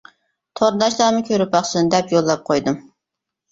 تورداشلارمۇ كۆرۈپ باقسۇن دەپ يوللاپ قويدۇم.